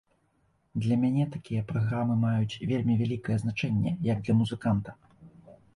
Для мяне такія праграмы маюць вельмі вялікае значэнне як для музыканта.